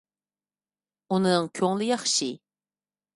ئۇنىڭ كۆڭلى ياخشى.